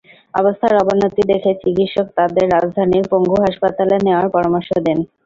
অবস্থার অবনতি দেখে চিকিৎসক তাঁদের রাজধানীর পঙ্গু হাসপাতালে নেওয়ার পরামর্শ দেন।